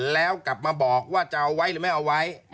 แล้วกลับมาบอกว่าจะเอาไว้หรือไม่เอาไว้